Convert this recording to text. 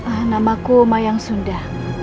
ah namaku mayang sunda